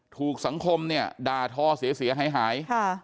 ถูกสังคมด่าท่อเสียหาย